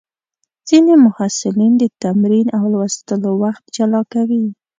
ځینې محصلین د تمرین او لوستلو وخت جلا کوي.